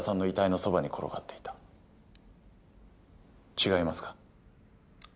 違いますか？